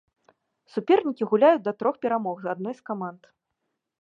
Супернікі гуляюць да трох перамог адной з каманд.